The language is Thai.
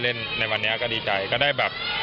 ก็ในวันนี้ก็ดีใจ